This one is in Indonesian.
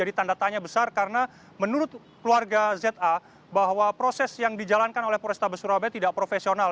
dan datanya besar karena menurut keluarga za bahwa proses yang dijalankan oleh pura estabes surabaya tidak profesional